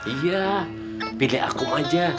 iya pilih akum aja